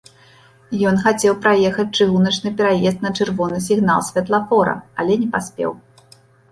Ён хацеў праехаць чыгуначны пераезд на чырвоны сігнал святлафора, але не паспеў.